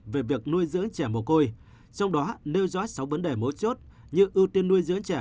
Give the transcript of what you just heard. về việc nuôi dưỡng trẻ mồ côi trong đó nêu rõ sáu vấn đề mấu chốt như ưu tiên nuôi dưỡng trẻ